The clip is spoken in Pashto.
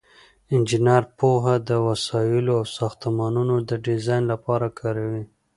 انجینر پوهه د وسایلو او ساختمانونو د ډیزاین لپاره کاروي.